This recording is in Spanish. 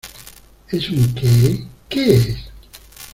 ¿ Es un qué? ¿ qué es ?